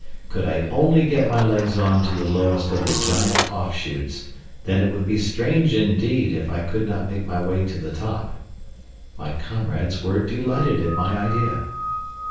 Could I only get my legs on to the lowest of the giant off shoots, then it would be strange indeed if I could not make my way to the top. My comrades were delighted at my idea.